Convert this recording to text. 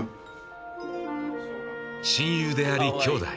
親友であり、兄弟。